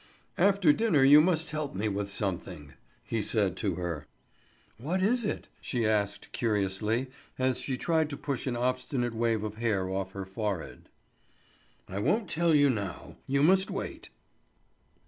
"After dinner you must help me with something," he said to her. "What is it?" she asked curiously, as she tried to push an obstinate wave of hair off her forehead. "I won't tell you now. You must wait."